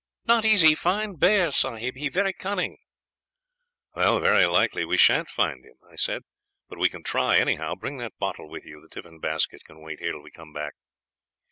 'Not easy to find bear, sahib. He very cunning.' "'Well, very likely we shan't find them,' I said, 'but we can try anyhow. Bring that bottle with you; the tiffin basket can wait here till we come back.'